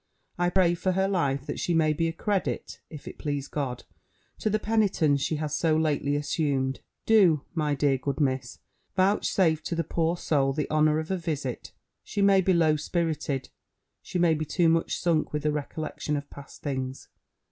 I pray for her life, that she may be a credit (if it please God) to the penitence she has so lately assumed. Do, my dear good Miss, vouchsafe to the poor soul the honour of a visit: she may be low spirited. She may be too much sunk with the recollection of past things.